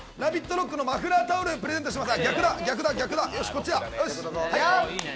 ＲＯＣＫのマフラータオルをプレゼントします。